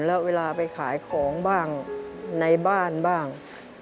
แล้วเวลาไปขายของบ้างในบ้านบ้าง